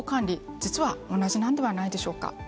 実は同じなんではないでしょうか。